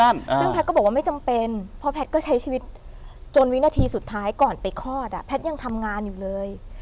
ซึ่งแพทย์ก็บอกว่าไม่จำเป็นเพราะแพทย์ก็ใช้ชีวิตจนวินาทีสุดท้ายก่อนไปคลอดอ่ะแพทย์ยังทำงานอยู่เลย